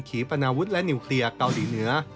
ีปนาวุฒิและนิวเคลียร์เกาหลีเหนือ